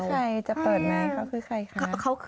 เขาคือใครจะเปิดไหนเขาคือใครคะ